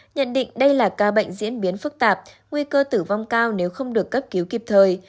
nhận định đây là ca bệnh diễn biến phức tạp nguy cơ tử vong cao nếu không được cấp cứu kịp thời